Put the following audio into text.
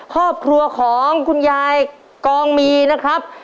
ครอบครัวของคุณยายกองมีนะครับ